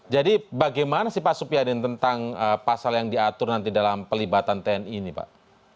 jadi bagaimana sih pak supiadi tentang pasal yang diatur nanti dalam pelibatan tni ini pak